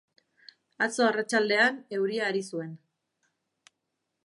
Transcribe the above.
Atzo arratsaldean euria ari zuen.